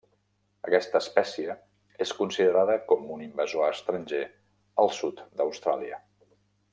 Aquesta espècie és considerada com un invasor estranger al sud d'Austràlia.